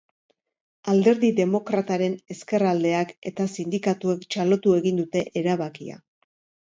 Alderdi demokrataren ezkerraldeak eta sindikatuek txalotu egin dute erabakia.